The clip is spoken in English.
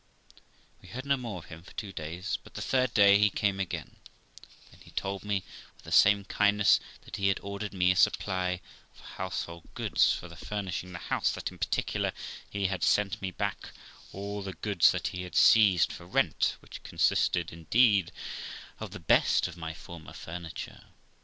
: We heard no more of him for two days, but the third day he came again; then he told me, with the same kindness, that he had ordered me a supply of household goods for the furnishing the house ; that, in particular, he had sent me back all the goods that he had seized for rent, which consisted, indeed, of the best of my former furniture.